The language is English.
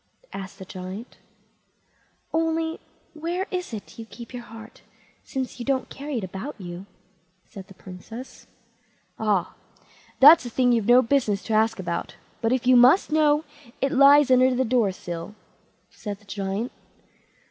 asked the Giant. "Only where it is you keep your heart, since you don't carry it about you", said the Princess. "Ah! that's a thing you've no business to ask about; but if you must know, it lies under the door sill", said the Giant.